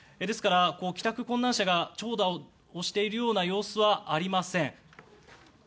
ですから帰宅困難者が長蛇をしているような様子はありません。